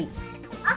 あ！